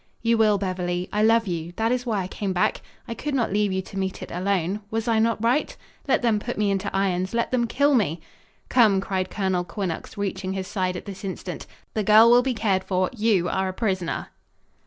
"You will, Beverly. I love you. That is why I came back. I could not leave you to meet it alone. Was I not right? Let them put me into irons let them kill me " "Come!" cried Colonel Quinnox, reaching his side at this instant. "The girl will be cared for. You are a prisoner."